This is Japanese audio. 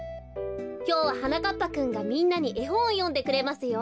きょうははなかっぱくんがみんなにえほんをよんでくれますよ。